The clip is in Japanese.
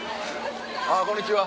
あこんにちは。